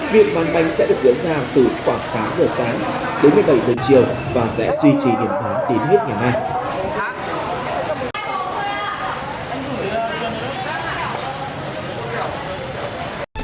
việc bán bánh sẽ được diễn ra từ khoảng tám giờ sáng đến một mươi bảy giờ chiều và sẽ duy trì điểm bán đến hết ngày mai